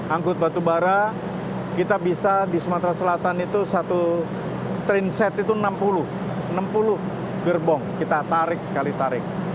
angkut batu bara kita bisa di sumatera selatan itu satu train set itu enam puluh enam puluh gerbong kita tarik sekali tarik